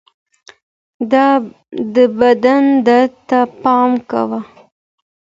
د بدن درد ته پام کوه